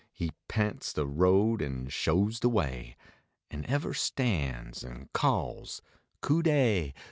He pints de road, an shows de way An ever stan s an calls " Cu dey